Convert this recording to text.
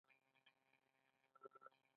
د خلکو غږ نه اوریدل واټن پیدا کوي.